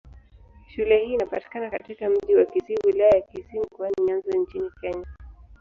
Shule hii inapatikana katika Mji wa Kisii, Wilaya ya Kisii, Mkoani Nyanza nchini Kenya.